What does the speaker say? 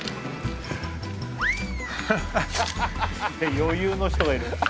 余裕の人がいる。